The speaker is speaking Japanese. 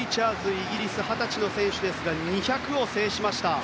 イギリス、二十歳の選手ですが２００を制しました。